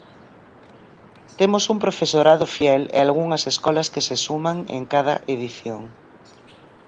Temos un profesorado fiel e algunhas escolas que se suman en cada edición.